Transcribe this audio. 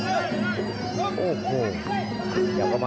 ส่วนหน้านั้นอยู่ที่เลด้านะครับ